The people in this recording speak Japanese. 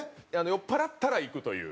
酔っ払ったら行くという。